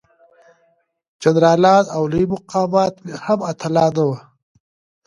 جنرالان او لوی مقامات هم اتلان نه وو.